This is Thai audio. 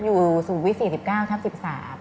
อยู่สูงวิท๔๙ทับ๑๓